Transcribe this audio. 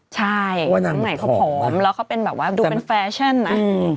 ใช่ว่าหนังใหม่เขาผอมแล้วเขาเป็นแบบว่าดูเป็นแฟชั่นนะ